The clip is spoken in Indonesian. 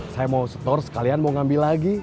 saya mau store sekalian mau ngambil lagi